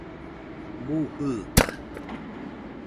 Bu jɨɨka